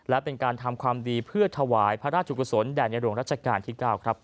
และเป็นการทำความดีเพื่อถวายพระราชจุกษนต์แด่นอย่างหลวงรัชกาลที่๙